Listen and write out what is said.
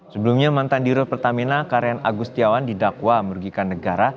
sebelumnya mantan dirut pertamina karen agustiawan didakwa merugikan negara